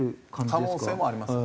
可能性もあります。